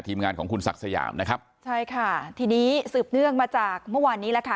งานของคุณศักดิ์สยามนะครับใช่ค่ะทีนี้สืบเนื่องมาจากเมื่อวานนี้แหละค่ะ